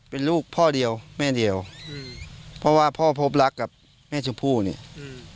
เป็นลูกพ่อเดียวแม่เดียวอืมเพราะว่าพ่อพบรักกับแม่ชมพู่เนี่ยอืม